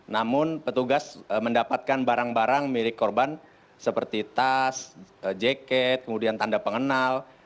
namun petugas mendapatkan barang barang milik korban seperti tas jaket kemudian tanda pengenal